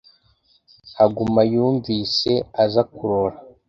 Haguma yumvise aza kurora